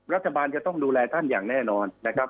รัฐบาลจะต้องดูแลท่านอย่างแน่นอนนะครับ